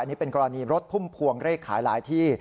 อันนี้เป็นกรณีลดพุ่งพวงเรทขายลายที่